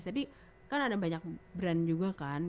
tapi kan ada banyak brand juga kan